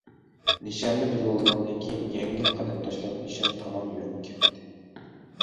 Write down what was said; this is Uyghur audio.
نىشاننى بىلىۋالغاندىن كېيىن، يەڭگىل قەدەم تاشلاپ نىشان تامان يۈرۈپ كەتتى.